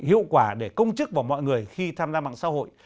hiệu quả để công chức và mọi người khi tham gia mạng xã hội